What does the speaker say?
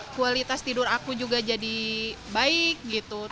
kualitas tidur aku juga jadi baik gitu